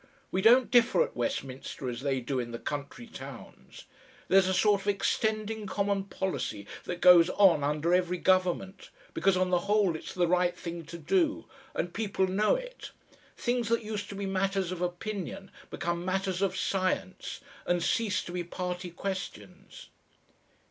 We don't differ at Westminster as they do in the country towns. There's a sort of extending common policy that goes on under every government, because on the whole it's the right thing to do, and people know it. Things that used to be matters of opinion become matters of science and cease to be party questions."